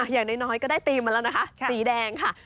อย่างน้อยก็ได้ธีมมาแล้วนะคะสีแดงค่ะ